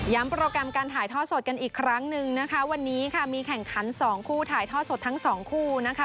โปรแกรมการถ่ายทอดสดกันอีกครั้งหนึ่งนะคะวันนี้ค่ะมีแข่งขันสองคู่ถ่ายทอดสดทั้งสองคู่นะคะ